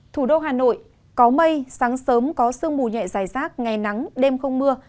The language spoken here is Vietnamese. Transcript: thủ đô hà nội có mây sáng sớm có sương mù nhẹ dài rác ngày nắng đêm không mưa